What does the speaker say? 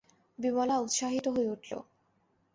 বিমলা উৎসাহিত হয়ে উঠল।